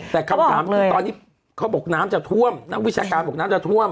แต่คำถามคือตอนนี้เขาบอกน้ำจะท่วมนักวิชาการบอกน้ำจะท่วม